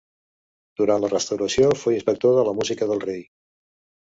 Durant la Restauració fou inspector de la música del rei.